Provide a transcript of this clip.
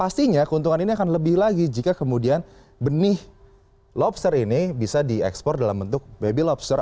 pastinya keuntungan ini akan lebih lagi jika kemudian benih lobster ini bisa diekspor dalam bentuk baby lobster